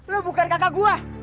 lo bukan kakak gue